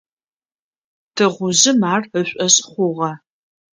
Тыгъужъым ар ышӀошъ хъугъэ.